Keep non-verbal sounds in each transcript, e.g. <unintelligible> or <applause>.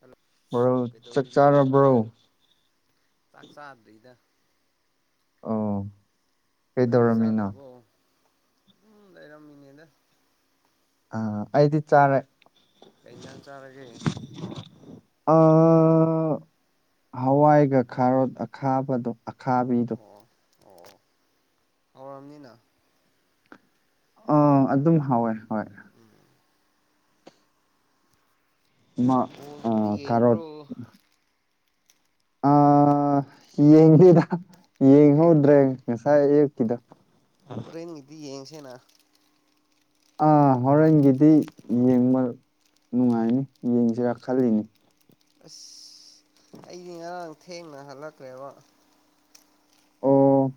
hello bro ꯆꯥꯛ ꯀꯩꯗꯧꯔꯤꯅꯣ꯭ꯔꯅ ꯆꯥꯔꯕ꯭ꯔꯣ ꯆꯥꯛ ꯆꯥꯗ꯭ꯔꯤꯗ ꯑ ꯅꯪꯗꯤ ꯆꯥꯈ꯭ꯔꯕꯣ ꯎꯝ ꯂꯩꯔꯝꯃꯤꯅꯦꯗ ꯑ ꯑꯩꯗꯤ ꯆꯥꯔꯦ ꯀꯩ ꯏꯟꯖꯥꯡ ꯆꯥꯔꯒꯦ ꯑ ꯍꯋꯥꯏꯒ ꯈꯥꯔꯣꯠ ꯑꯈꯥꯕꯗꯣ ꯑꯈꯥꯕꯤꯗꯣ ꯑꯣ ꯑꯣ ꯑꯋꯥꯔꯝꯅꯤꯅ ꯑ ꯑꯗꯨꯝ ꯍꯋꯦ ꯍꯣꯏ ꯃꯥ ꯑ ꯕꯣꯜꯕꯨꯗꯤ ꯀꯔꯠ ꯌꯦꯡꯕ꯭ꯔꯣ ꯑꯥ ꯌꯦꯡꯉꯦꯗ ꯌꯦꯡꯗꯦ ꯌꯦꯡꯍꯧꯗ꯭ꯔꯦ ꯉꯁꯥꯏ ꯀꯗ ꯍꯣꯔꯦꯟ ꯅꯒꯤꯗꯤ ꯌꯦꯡꯁꯦꯅ ꯑ ꯍꯣꯔꯦꯟꯒꯤꯗꯤ ꯌꯦꯡꯕ ꯅꯨꯡꯉꯥꯏꯅꯤ ꯌꯦꯡꯁꯤꯔꯥ ꯈꯜꯂꯤꯅꯤ ꯑꯁ ꯑꯩꯗꯤ ꯉꯔꯥꯡ ꯊꯦꯡꯅ ꯍꯜꯂꯛꯈ꯭ꯔꯦꯕ ꯑꯣ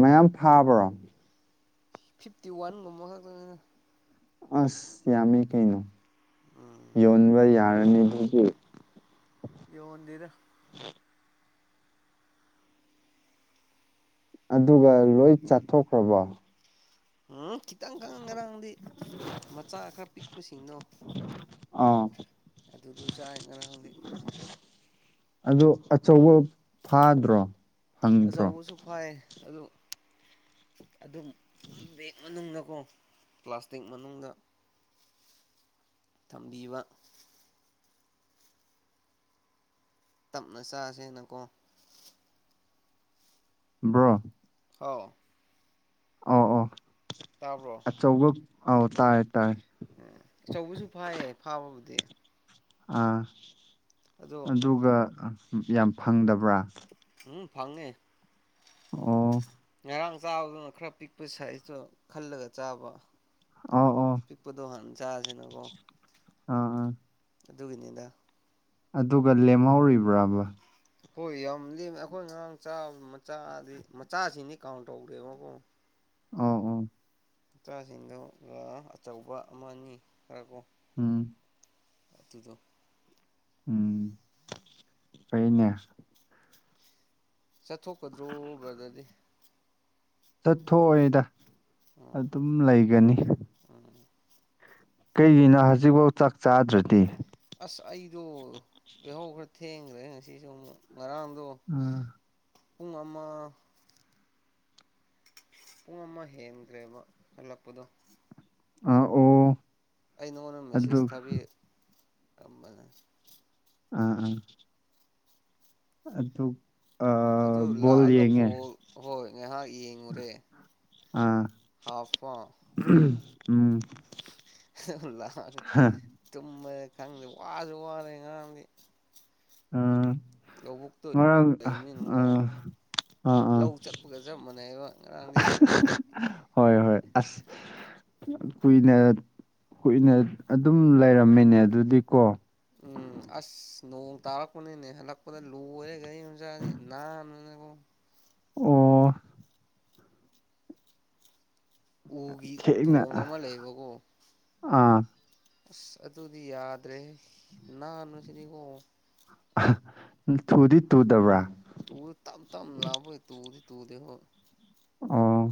ꯃꯌꯥꯝ ꯐꯥꯕ꯭ꯔꯣ ꯐꯤꯞꯇꯤ ꯋꯥꯟ ꯉꯃ ꯍꯥꯏ ꯑꯁ ꯌꯥꯝꯃꯤ ꯀꯩꯅꯣ ꯎꯝ ꯌꯧꯟꯕ ꯌꯥꯔ ꯑꯅꯤ ꯍꯧꯒꯤ ꯌꯟꯗꯔ ꯑꯗꯨꯒ ꯂꯣꯏ ꯆꯥꯊꯣꯛꯈ꯭ꯔꯕꯣ ꯎꯝ ꯈꯤꯇꯪ ꯈꯪꯉ ꯉꯔꯥꯡꯗꯤ ꯃꯆꯥ ꯈꯔ ꯄꯤꯛꯄꯁꯤꯡꯗꯣ ꯑꯥ ꯑꯗꯨꯗꯨ ꯆꯥꯏ ꯉꯔꯥꯡꯗꯤ ꯑꯣ ꯑꯆꯧꯕ ꯐꯥꯗ꯭ꯔꯣ ꯐꯪꯗ꯭ꯔꯣ ꯑꯆꯧꯕꯁꯨ ꯐꯥꯏ ꯑꯗꯨ ꯑꯗꯨꯝ ꯕꯦꯛ ꯃꯅꯨꯡꯗ ꯀꯣ ꯄ꯭ꯂꯥꯁꯇꯤꯛ ꯃꯅꯨꯡꯗ ꯊꯝꯕꯤꯕ ꯇꯞꯅ ꯆꯥꯥꯁꯦꯅꯀꯣ ꯑꯗꯨꯗꯦ ꯑꯣ ꯑ ꯑꯣ ꯇꯥꯕ꯭ꯔꯣ ꯑꯆꯧꯕ ꯑꯧ ꯇꯥꯥꯏꯦ ꯇꯥꯥꯏꯦ ꯎꯝ ꯑꯆꯧꯕꯁꯨ ꯐꯥꯏꯌꯦ ꯐꯥꯕꯕꯨꯗꯤ ꯑ ꯑꯗꯣ ꯑꯗꯨꯒ ꯌꯥꯝ ꯐꯪꯗꯕ꯭ꯔꯥ ꯑꯗꯨꯨꯡ ꯐꯪꯉꯦ ꯑꯣ ꯑꯧ ꯉꯔꯥꯡ ꯆꯥꯕꯗꯨꯅ ꯈꯔ ꯄꯤꯛꯄ ꯁꯥꯏꯖꯇꯣ ꯈꯜꯂꯒ ꯆꯥꯕ ꯑꯧ ꯑꯥ ꯄꯤꯛꯄꯨꯗꯣ ꯍꯥꯟ ꯆꯥꯁꯤꯅ ꯀꯣ ꯑꯥ ꯑꯗꯨꯒꯤꯅꯤꯗ ꯑꯗꯨꯒ ꯂꯦꯝꯍꯧꯔꯤꯕ꯭ꯔꯕ ꯍꯣꯏ ꯌꯥꯝ ꯂꯦꯝ ꯑꯩꯈꯣꯏ ꯉꯔꯥꯡ ꯆꯥꯕ ꯃꯆꯥꯗꯤ ꯃꯆꯥꯁꯤꯅꯤ ꯀꯥꯎꯟ ꯇꯧꯗ꯭ꯔꯦꯕꯀꯣ ꯑ ꯑ ꯃꯆꯥꯁꯤꯡꯗꯨ ꯑꯆꯧꯕ ꯑꯃꯅꯤ ꯈꯔꯣ ꯑꯝ ꯑꯇꯗ ꯎꯝ ꯀꯅꯦ ꯆꯠꯊꯣꯛꯀꯗ꯭ꯔꯣꯕꯗꯗꯤ ꯆꯠꯊꯣꯛꯑꯣꯗ ꯑꯣ ꯑꯗꯨꯝ ꯂꯩꯒꯅꯤ ꯎꯝ ꯀꯩꯒꯤꯅꯣ ꯍꯧꯖꯤꯛꯐꯧ ꯆꯥꯛ ꯆꯥꯗ꯭ꯔꯗꯤ ꯑꯁ ꯑꯩꯗꯣ ꯍꯧ ꯈꯔ ꯊꯦꯡꯈ꯭ꯔꯦ ꯉꯁꯤꯁꯨ ꯑꯃꯨꯛ ꯑꯥ ꯎꯨꯡ ꯑꯃ ꯄꯨꯡ ꯑꯃ ꯍꯦꯟꯈ꯭ꯔꯦꯕ ꯍꯜꯂꯛꯄꯗꯣ ꯑ ꯑꯣ ꯑꯩ ꯅꯪꯉꯣꯟꯗ ꯑꯗꯨ ꯃꯦꯁꯦꯖ ꯊꯥꯕꯤ ꯑꯃꯝꯕꯅ ꯑꯥ ꯎꯝ ꯑꯗꯨ ꯑꯥ ꯑꯗꯨ ꯕꯣꯜ ꯌꯦꯡꯉꯦ ꯂꯥꯛꯑꯒꯕꯨꯣ ꯍꯣꯏ ꯉꯥꯏꯍꯥꯛ ꯌꯦꯡꯉꯨꯔꯦ ꯑꯥ ꯍꯥꯞ ꯎꯝ ꯇꯃ ꯈꯪꯗꯦ ꯋꯥꯁꯨ ꯋꯥꯔꯦ ꯉꯥꯡꯗꯤ ꯎꯝ ꯃꯔꯔ ꯑꯝ ꯂꯩꯕꯅꯤꯅꯀꯣ ꯑ ꯑ ꯂꯧ ꯆꯠꯄꯒ ꯆꯞ ꯃꯥꯟꯅꯩꯕ ꯉꯔꯥꯡꯗꯤ ꯍꯣꯏ ꯍꯣꯏ ꯑꯁ ꯀꯣꯏꯅ ꯍꯨꯏꯅ ꯑꯗꯨꯝ ꯂꯩꯔꯝꯃꯤꯅꯦ ꯑꯗꯨꯗꯤꯀꯣ ꯎꯝ ꯑꯁ ꯅꯣꯡ ꯇꯥꯔꯛꯄꯅꯤꯅꯦ ꯍꯜꯂꯛꯄꯗ ꯂꯣꯏꯔꯦ ꯒꯥꯔꯤ ꯆꯥꯗꯤ ꯍꯟ ꯑꯗꯨꯒꯨꯝ ꯑꯣ ꯎꯒꯤ ꯊꯦꯡꯅ ꯊꯣꯡ ꯑꯃ ꯂꯩꯕꯀꯣ ꯑꯥ ꯑꯁ ꯑꯗꯨꯗꯤ ꯌꯥꯗ꯭ꯔꯦ ꯅꯍꯥꯟꯅꯨ ꯁꯤꯅꯤꯀꯣ ꯊꯨꯗꯤ ꯇꯨꯗꯕ꯭ꯔꯥ ꯇꯨ ꯇꯝ ꯇꯝ ꯂꯕꯣꯏ ꯇꯨꯗꯤ ꯇꯨꯗ ꯍꯣ ꯑ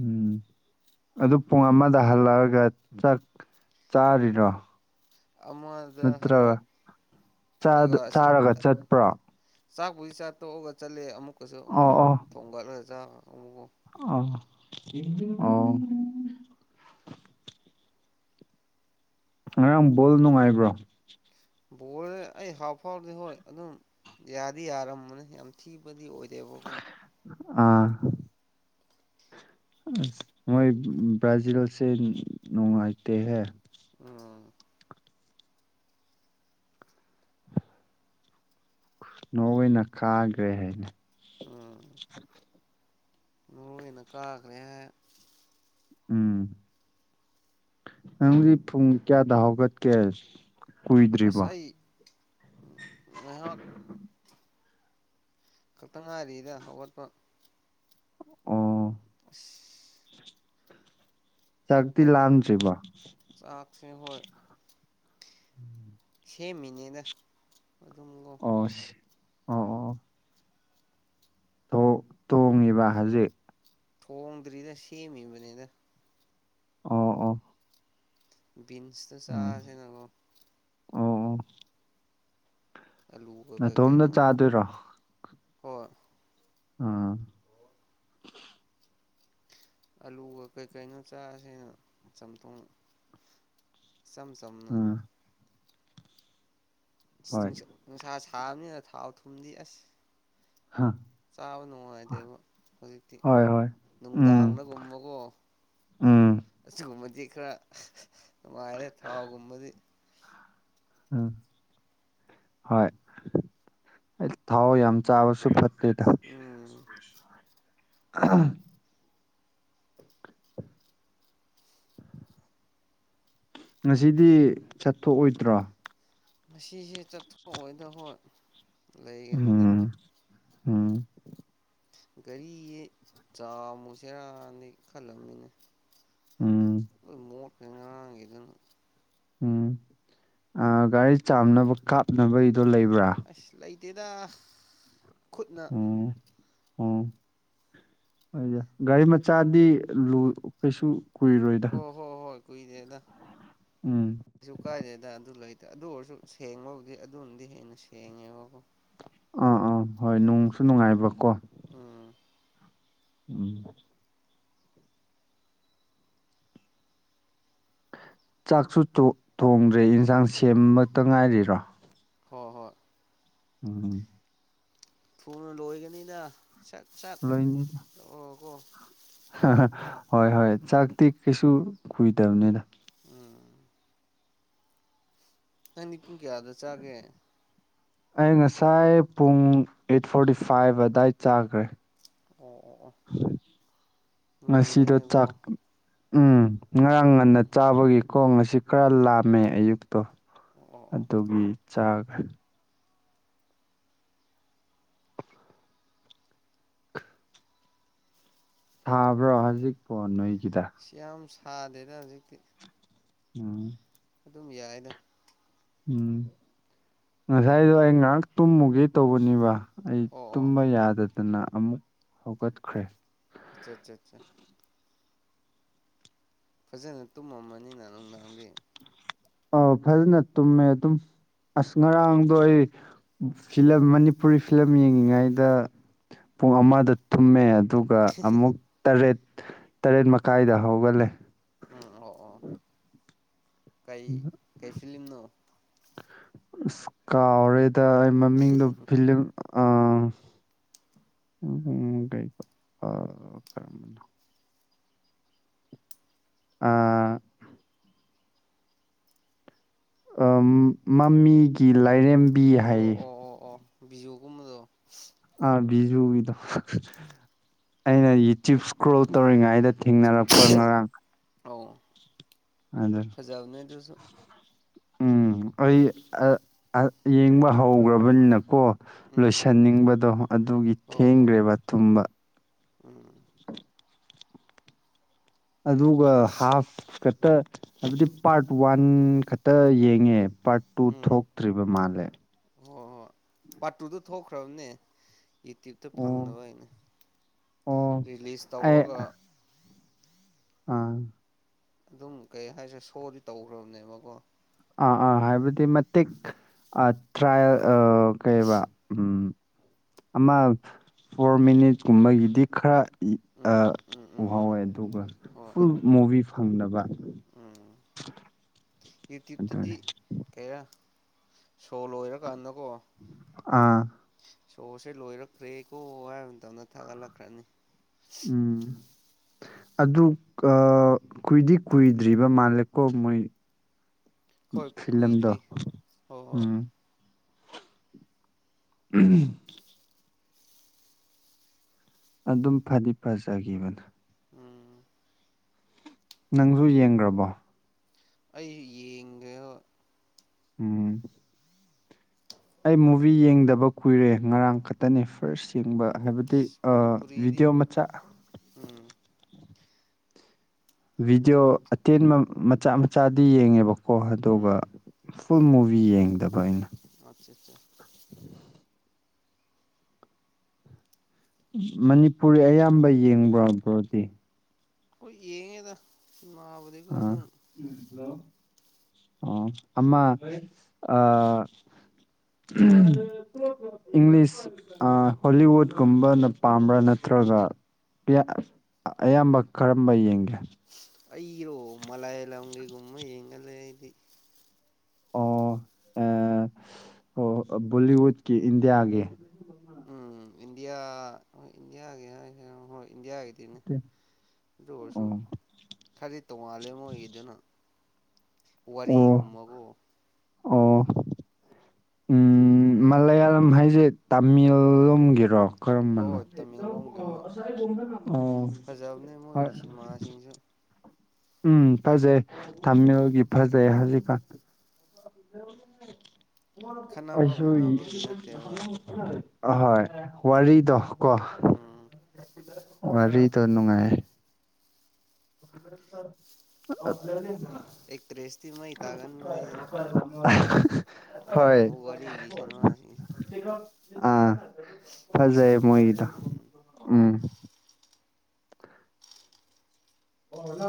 ꯎꯝ ꯑꯗꯨ ꯄꯨꯡ ꯑꯃꯗ ꯍꯜꯂꯛꯑꯒ ꯆꯥꯛ ꯆꯥꯔꯤꯔꯣ ꯑꯃꯗ ꯅꯠꯇ꯭ꯔꯒ ꯍꯜꯂꯛꯑꯒ ꯑꯁꯤ ꯆꯥꯔꯒ ꯆꯠꯄ꯭ꯔꯥ ꯆꯥꯛꯄꯨꯗꯤ ꯆꯥ ꯇꯣꯛꯑꯒ ꯆꯠꯂꯦ ꯑꯃꯨꯛꯀꯁꯨ ꯑꯃꯨꯛ ꯑꯣ ꯑꯣ ꯊꯣꯡꯒꯠꯂꯒ ꯆꯥꯕ ꯑ ꯑꯣ ꯉꯔꯥꯡ ꯕꯣꯜ ꯅꯨꯡꯉꯥꯏꯕ꯭ꯔꯣ ꯕꯣꯔꯜꯁꯦ ꯑꯩ ꯍꯞ ꯐꯥꯎꯔꯗꯤ ꯍꯣꯏ ꯑꯗꯨꯝ ꯌꯥꯗꯤ ꯌꯥꯔꯝꯕꯅꯦ ꯌꯥꯝ ꯊꯤꯕꯗꯤ ꯑꯣꯏꯔꯦꯕꯀꯣ ꯑꯥ ꯃꯥꯏ ꯭ꯔꯥꯖꯤꯜꯁ ꯅꯣꯡꯉꯥꯏꯇ ꯍ ꯎꯝ ꯅꯅ ꯀꯥꯈ꯭ꯔꯦ ꯍꯥꯏꯅ ꯎꯝ ꯃꯔꯣꯏꯅ ꯀꯥꯈ꯭ꯔꯦ ꯎꯝ ꯅꯪꯗꯤ ꯄꯨꯡ ꯀꯌꯥꯗ ꯍꯧꯒꯠꯀꯦ ꯑꯁ ꯀꯨꯏꯗ꯭ꯔꯤꯕ ꯑꯩ ꯉꯥꯏꯍꯥꯛ ꯈꯛꯇꯪ ꯉꯥꯏꯔꯤꯗ ꯍꯧꯒꯠꯄ ꯑꯣ ꯑ ꯆꯥꯛꯇꯤ ꯂꯥꯡꯗ꯭ꯔꯤꯕꯣ ꯆꯥꯛꯁꯦ ꯍꯣꯏ ꯁꯦ ꯃꯅꯦꯗ ꯑꯣ ꯑꯣ ꯇꯣꯡꯉꯤꯕ ꯍꯧꯖꯤꯛ ꯊꯣꯡꯝꯗꯔꯤꯗ ꯁꯤꯦꯃꯤ ꯃꯅꯦꯗ ꯑꯣ ꯑꯣ ꯕꯤꯟꯁꯇ ꯎꯝ ꯆꯥꯁꯦ ꯅꯉꯣ ꯑꯣ ꯑꯣ ꯑꯂꯨꯒ ꯑꯇꯣꯝꯗ ꯆꯥꯗꯣꯏꯔꯣ ꯑꯣ ꯑꯥ ꯑꯂꯨꯒ ꯀꯩꯀꯩꯅꯣ ꯆꯥꯁꯤꯅ ꯆꯝꯊꯣꯡ ꯁꯝ ꯁꯝꯅ ꯎꯝ ꯍꯣꯏ ꯅꯨꯡꯁꯥ ꯁꯥꯕꯅꯤꯅ ꯊꯥꯎ ꯊꯨꯝꯗꯤ ꯑꯁ ꯆꯥꯕ ꯅꯨꯡꯉꯥꯏꯇꯦꯕ ꯍꯧꯖꯤꯛꯇꯤ ꯍꯣꯏ ꯍꯣꯏ ꯎꯝ ꯅꯨꯡꯗꯥꯡꯗꯒꯨꯝꯕꯀꯣ ꯎꯝ ꯑꯁꯤꯒꯨꯝꯕꯗꯤ ꯈꯔ ꯅꯨꯡꯉꯥꯏꯔꯦ ꯊꯥꯎꯒꯨꯝꯕꯗꯤ ꯎꯝ ꯍꯣꯏ ꯊꯥꯎ ꯌꯥꯝ ꯆꯥꯕꯁꯨ ꯐꯠꯇꯦ ꯦꯇ ꯎꯝ ꯉꯁꯤꯗꯤ ꯆꯠꯊꯣꯛꯑꯣꯏꯗ꯭ꯔꯣ ꯉꯁꯤꯁꯦ ꯆꯠꯊꯣꯛꯑꯣꯏꯗ ꯍꯣꯏ ꯂꯩꯒꯅꯤꯗ ꯎꯝ ꯎꯝ ꯒꯥꯔꯤ ꯆꯥꯃꯨꯁꯤꯔꯥꯅꯦ ꯈꯜꯂꯝꯕꯅꯤꯅꯦ ꯎꯝ ꯃꯣꯠꯉꯥꯡ ꯏꯗꯅ ꯎꯝ ꯒꯥꯔꯤ ꯆꯥꯝꯅꯕ ꯀꯥꯞꯅꯕꯒꯤꯗꯣ ꯂꯩꯕ꯭ꯔꯥ ꯗꯦꯗ ꯈꯨꯠꯅ ꯑꯣꯗ ꯒꯥꯔꯤ ꯃꯆꯥꯗꯤ ꯀꯩꯁꯨ ꯀꯨꯏꯔꯣꯏꯗ ꯀꯨꯏꯔꯦꯗ ꯎꯝ ꯀꯩꯁꯨ ꯀꯥꯏꯗꯦꯗ ꯑꯗꯨ ꯂꯩ ꯑꯗꯨ ꯑꯣꯏꯔꯁꯨ ꯁꯦꯡꯕꯕꯨꯗꯤ ꯑꯗꯨꯅꯗꯤ ꯍꯦꯟꯅ ꯁꯦꯡꯉꯦꯕꯀꯣ ꯑꯥ ꯑꯥ ꯍꯣꯏ ꯅꯨꯡꯁꯨ ꯅꯨꯡꯉꯥꯏꯕ ꯀꯣ ꯎꯝ ꯎꯝ ꯆꯥꯛꯁꯨ ꯊꯣꯡꯗ꯭ꯔꯦ ꯌꯦꯟꯁꯥꯡ ꯁꯦꯝꯃꯛꯇ ꯉꯥꯏꯔꯤꯔꯣ ꯍꯣꯏ ꯍꯣꯏ ꯎꯝ ꯊꯨꯅ ꯂꯣꯏꯒꯅꯤꯗ ꯁꯠ ꯁꯠ ꯂꯣꯏꯅꯤꯗ ꯂꯥꯛꯑꯣ ꯀꯣ ꯍꯣꯏ ꯍꯣꯏ ꯆꯥꯛꯇꯤ ꯀꯩꯁꯨ ꯀꯨꯏꯗꯕꯅꯤꯅ ꯎꯝ ꯑꯅꯤ ꯄꯨꯡ ꯀꯌꯥꯗ ꯆꯥꯒꯦ ꯑꯩ ꯉꯁꯥꯏ ꯄꯨꯡ ꯑꯩꯠ ꯐꯣꯔꯇꯤ ꯐꯥꯏꯚ ꯑꯗꯨꯗꯥꯏ ꯆꯥꯈ꯭ꯔꯦ ꯑꯣ ꯑꯣ ꯑꯣ ꯉꯁꯤꯗꯣ ꯉꯜꯂꯤꯅꯦꯀꯣ ꯆꯥꯛ ꯎꯝ ꯉꯔꯥꯡ ꯉꯟꯅ ꯆꯥꯕꯒꯤ ꯈꯣꯡ ꯑꯁꯤ ꯈꯔ ꯂꯥꯝꯃꯦ ꯑꯌꯨꯛ ꯣ ꯑꯣ ꯑꯣ ꯑꯣ ꯑꯗꯨꯒꯤ ꯆꯥꯈ ꯁꯥꯕ꯭ꯔꯣ ꯍꯧꯖꯤꯛ ꯄꯣ ꯅꯣꯏ ꯁꯤ ꯌꯥꯝ ꯁꯥꯗꯦꯗ ꯍꯧꯖꯤꯛꯇꯤ ꯎꯝ ꯑꯗꯨꯝ ꯌꯥꯏꯅ ꯎꯝ ꯉꯁꯥꯏꯗꯣ ꯑꯩ ꯉꯥꯏꯍꯥꯛ ꯇꯨꯝꯃꯨꯒꯦ ꯇꯧꯕꯅꯤꯕ ꯑꯩ ꯑꯣ ꯑꯣ ꯇꯨꯝꯕ ꯌꯥꯗꯗꯅ ꯑꯃꯨꯛ ꯍꯧꯒꯠꯈ꯭ꯔꯦ ꯑꯠꯆꯥ ꯑꯠꯆꯥ ꯑꯠꯆꯥ ꯐꯖꯅ ꯇꯨꯝꯃꯝꯃꯅꯤꯅ ꯅꯨꯡꯊꯪꯗꯤ ꯑ ꯐꯖꯅ ꯇꯨ ꯑꯗꯨ ꯑꯁ ꯉꯔꯥꯡꯗꯣ ꯑꯩ ꯐꯤꯂꯝ ꯃꯅꯤꯄꯨꯔꯤ ꯐꯤꯂꯝ ꯌꯦꯡꯉꯤꯉꯩꯗ ꯄꯨꯡ ꯑꯃꯗ ꯊꯨꯝꯃꯦ ꯑꯗꯨꯒ ꯑꯃꯨꯛ ꯇꯔꯦꯠ ꯇꯔꯦꯠ ꯃꯈꯥꯏꯗ ꯍꯧꯒꯠꯂꯦ ꯎꯝ ꯑꯣ ꯑꯣ ꯀꯩ ꯀꯩ ꯐꯝꯅꯣ ꯑꯁ ꯀꯥꯎꯔꯦꯗ ꯑꯩ ꯃꯃꯤꯡꯗꯨꯣ ꯐꯤꯂꯤꯡ ꯑ ꯎ ꯎꯝ ꯀꯩ ꯄ ꯀꯔꯅ ꯑ ꯃꯃꯤꯒꯤ ꯂꯥꯏꯔꯦꯝꯕꯤ ꯑꯣ ꯍꯥꯏꯌꯦ ꯑꯣ ꯑꯣ ꯑꯣ ꯕꯤꯌꯨꯒꯨꯝꯕꯗꯣ ꯑꯥ ꯕꯤꯖꯨꯒꯤꯗꯣ ꯑꯩꯅ ꯌꯨꯇ꯭ꯌꯨꯕ ꯏꯁꯀ꯭ꯔꯣꯜ ꯇꯧꯔꯤꯉꯩꯗ ꯊꯦꯡꯅꯔꯛꯄ ꯉꯔꯥꯡ ꯑ ꯑꯗ ꯐꯖꯥꯅꯗꯨꯣꯁꯨ ꯎꯝ ꯑꯩ ꯌꯦꯡꯕ ꯍꯧꯈ꯭ꯔꯕꯅꯤꯅꯀꯣ ꯎꯝ ꯂꯣꯏꯁꯤꯟꯅꯤꯡꯕꯗꯣ ꯑꯗꯨꯒꯤ ꯍꯣ ꯍꯣꯏ ꯊꯦꯡꯈ꯭ꯔꯦꯕ ꯇꯨꯝꯕ ꯎꯝ ꯑꯗꯨꯒ ꯍꯥꯐ ꯈꯛꯇ ꯍꯥꯏꯕꯗꯤ ꯄꯥꯔꯠ ꯋꯥꯟ ꯈꯛꯇ ꯌꯦꯡꯉꯦ ꯄꯥꯔ ꯇꯨ ꯎꯝ ꯊꯣꯛꯇ꯭ꯔꯤꯕ ꯃꯥꯜꯂꯦ ꯍꯣꯏ ꯍꯣꯏ ꯄꯥꯔꯠ ꯇꯨꯗ ꯊꯣꯛꯈ꯭ꯔꯕꯅꯦ ꯌꯨꯇ꯭ꯌꯨꯕꯇ ꯑꯣ ꯐꯪꯅꯕ ꯑꯩꯅ ꯑꯣ ꯔꯤꯂꯤꯁ ꯑꯩ ꯇꯧꯔꯒ ꯑꯥ ꯑꯗꯨꯝ ꯀꯩ ꯍꯥꯏꯁꯦ ꯁꯣꯗꯤ ꯇꯧꯈ꯭ꯔꯕꯅꯦꯕꯀꯣ ꯑꯥ ꯑꯥ ꯍꯥꯏꯕꯗꯤ ꯃꯇꯤꯛ ꯇ꯭ꯔꯥꯏꯌꯦꯜ ꯀꯩꯕ ꯎꯝ ꯑꯃ ꯐꯣꯔ ꯃꯤꯅꯤꯠ ꯀꯨꯝꯕꯒꯤꯗꯤ ꯈꯔ ꯎꯝ ꯎꯝ ꯎꯝ ꯎꯝ ꯋꯥꯍꯥꯎꯋꯦ ꯑꯗꯨꯒ ꯍꯣꯏ ꯐꯨꯜ ꯃꯨꯚꯤ ꯐꯪꯅꯕ ꯎꯝ ꯇꯞꯗꯤ ꯑꯗꯨꯅꯤ ꯀꯔ ꯁꯣꯂꯣ ꯍ ꯀꯅ ꯑꯥ ꯁꯣꯣꯔꯁꯦ ꯂꯣꯏꯔꯛꯈ꯭ꯔꯦꯀꯣ ꯍꯥꯏꯕ ꯃꯇꯝꯗ ꯊꯥꯒꯠꯂꯛꯈ꯭ꯔꯅꯤ ꯎꯝ ꯑꯗꯨ ꯀꯨꯏꯗꯤ ꯀꯨꯏꯗ꯭ꯔꯤꯕ ꯃꯥꯜꯂꯦꯀꯣ ꯃꯣꯏ ꯍꯣꯏ ꯐꯤꯂꯝꯂꯝꯗ ꯀꯨꯏꯗ꯭ꯔꯤ ꯍꯣꯏ ꯍꯣꯏ ꯎꯝ ꯎꯝ ꯑꯗꯨꯝ ꯐꯗꯤ ꯐꯖꯈꯤꯕꯅ ꯎꯝ ꯅꯪꯁꯨ ꯌꯦꯡꯈ꯭ꯔꯕꯣ ꯑꯩ ꯌꯦꯡꯒ ꯎꯝ ꯑꯩ ꯃꯨꯚꯤ ꯌꯦꯡꯗꯕ ꯀꯨꯏꯔꯦ ꯉꯔꯥꯡ ꯈꯛꯇꯅꯤ ꯐꯔꯁ ꯌꯦꯡꯕ ꯎꯝ ꯍꯥꯏꯕꯗꯤ ꯑ ꯃꯅꯤꯄꯨꯔꯤꯗꯤ ꯚꯤꯗꯤꯌꯣ ꯃꯆꯥ ꯎꯝ ꯚꯤꯗꯤꯑꯣ ꯑꯇꯦꯟꯕ ꯃꯠ ꯃꯆꯥ ꯃꯆꯥꯗꯤ ꯌꯦꯡꯉꯦꯕꯀꯣ ꯑꯗꯨꯒ ꯎꯝ ꯐꯨꯜ ꯃꯨꯚꯤ ꯌꯦꯡꯗꯕ ꯑꯩꯅ ꯑꯆꯥ ꯆꯥ ꯃꯅꯤꯄꯨꯔꯤ ꯑꯌꯥꯝꯕ ꯌꯦꯡꯕ꯭ꯔꯣ ꯕ꯭ꯔꯣꯗꯤ ꯍꯣꯢ ꯌꯦꯡꯉꯦꯗ ꯁꯤꯟꯃꯥꯕꯨꯗꯤꯀꯣ ꯑꯥ ꯑꯗꯨꯝ ꯑꯣ ꯑꯃ ꯑ ꯏꯪꯂꯤꯁ ꯑ ꯍꯣꯂꯤꯋꯨꯠꯀꯨꯝꯕꯅ ꯄꯥꯝꯕ꯭ꯔꯥ ꯅꯠꯇ꯭ꯔ ꯔꯣꯖꯥ ꯄꯤꯌ ꯑꯌꯥꯝꯕ ꯀꯔꯝꯕ ꯌꯦꯡꯒꯦ ꯑꯩꯏꯔꯣ ꯃꯂꯥꯌꯥꯂꯝꯒꯤ ꯒꯨꯝꯕ ꯌꯦꯡꯒꯜꯂꯦ ꯑꯩꯗꯤ ꯑꯣ ꯑ ꯑꯣ ꯑ ꯕꯣꯂꯤꯋꯨꯠꯀꯤ ꯏꯟꯗꯤꯌꯥꯒꯤ ꯎꯝ ꯏꯟꯗꯤꯌꯥ ꯍꯣꯏ ꯏꯟꯗꯤꯌꯥꯒꯤ ꯍꯥꯏꯒꯦꯔꯣ ꯍꯣꯏ ꯢꯟꯗꯤꯌꯥꯒꯤ ꯇꯤꯔꯅꯦ ꯑꯗꯨ ꯑꯣꯏꯔꯁꯨ ꯑꯣ ꯈꯔꯗꯤ ꯇꯣꯡꯉꯥꯜꯂꯦ ꯃꯣꯏꯒꯤꯗꯨꯅ ꯋꯥꯔꯤ ꯑꯣ ꯒꯨꯝꯕꯀꯣ ꯑꯣ ꯎꯝ ꯑꯗꯨꯒꯨꯝꯕ ꯃꯜꯂꯌꯥꯂꯝ ꯍꯥꯏ ꯖꯦ ꯇꯥꯃꯤꯜ ꯂꯣꯝꯒꯤꯔꯣ ꯍꯣꯏ ꯀꯔꯝꯕꯅꯣ ꯍꯣꯏ ꯇꯃꯦꯡꯂꯣꯡꯒꯤ ꯍꯣꯏ ꯑꯣ ꯐꯖꯕꯅꯦ ꯍꯣꯏ ꯃꯣꯏꯒꯤ ꯁꯤꯅꯦꯃꯥꯁꯤꯡꯁꯨ ꯎꯝ ꯐꯖꯩ ꯇꯥꯃꯤꯜꯒꯤ ꯐꯖꯩ ꯍꯧꯖꯤꯛꯀꯥꯟ ꯈꯠꯅꯕ ꯑꯁꯍꯣꯢꯒꯤ ꯐꯨꯅꯕꯒꯤ ꯅꯠꯇꯦꯕ ꯑꯍꯣꯏ ꯋꯥꯔꯤꯗꯣ ꯀꯣ ꯎꯝ ꯋꯥꯔꯤꯗꯣ ꯅꯨꯡꯉꯥꯏ <unintelligible> ꯑꯦꯛꯇ꯭ꯔꯦꯁꯇꯤ ꯃꯩ ꯇꯥꯒꯟꯕꯅꯤꯍꯦ ꯍꯣꯏ ꯑꯗꯨꯒꯨꯝꯕ ꯋꯥꯔꯤꯒꯤ ꯁꯤꯅꯦꯃꯥꯁꯤꯡꯁꯦ ꯑꯥ ꯐꯖꯩ ꯃꯁꯛꯇꯣ ꯃꯣꯏꯒꯤꯗꯣ ꯎꯝ ꯎꯝ ꯍꯅ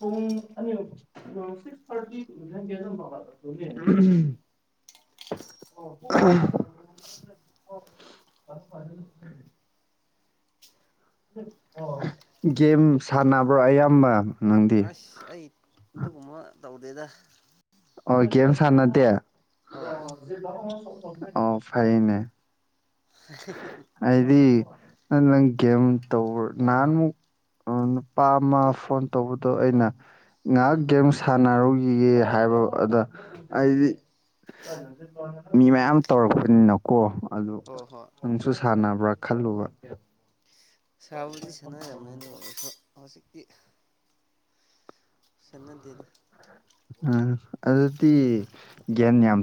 <unintelligible> <unintelligible> <unintelligible> <unintelligible> ꯒꯦꯝ ꯁꯥꯟꯅꯕ꯭ꯔꯣ ꯑꯌꯥꯝꯕ ꯅꯪꯗꯤ ꯑꯁ ꯑꯩ ꯑꯗꯨꯒꯨꯝꯕ ꯇꯧꯗꯦꯗ ꯑꯣꯏ ꯒꯦꯝ ꯁꯥꯟꯅꯗꯦ ꯍꯣꯏ ꯑꯣ ꯐꯩꯅꯦ ꯑꯩꯗꯤ ꯅꯪ ꯒꯦꯝ ꯇꯧꯕ ꯅꯍꯥꯟꯃꯨꯛ ꯑ ꯅꯨꯄꯥ ꯑꯃ ꯍꯣꯏ ꯐꯣꯟ ꯇꯧꯕ ꯑꯗꯣ ꯑꯩꯅ ꯉꯥꯏꯍꯥꯛ ꯎꯝ ꯒꯦꯝ ꯁꯥꯟꯅꯔꯨꯒꯤꯒꯦ ꯍꯥꯏꯕꯒ ꯑꯗ ꯑꯩꯗꯤ ꯃꯤ ꯃꯌꯥꯝ ꯇꯧꯔꯛꯄꯅꯤꯅꯀꯣ ꯑꯗꯨ ꯍꯣꯏ ꯍꯣꯏ ꯅꯪꯁꯨ ꯁꯥꯟꯅꯕ꯭ꯔꯥ ꯈꯜꯂꯨꯕ ꯁꯥꯕꯨꯗꯤ ꯁꯥꯟꯅꯔꯝꯃꯦ ꯑꯗꯨ ꯑꯣꯏꯁꯨ ꯍꯧꯖꯤꯛꯇꯤ ꯁꯟꯅꯗꯦꯗ ꯑ ꯑꯗꯨꯗꯤ ꯒꯦꯝ ꯌꯥꯝ